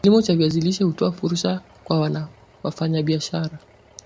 Kilimo cha viazi lishe hutoa fursa kwa wafanyabiashara